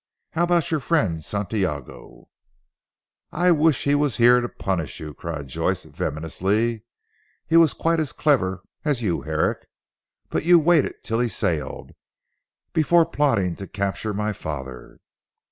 "How about your friend Santiago?" "I wish he was here to punish you!" cried Joyce venomously, "he was quite as clever as you Herrick. But you waited till he sailed, before plotting to capture my father."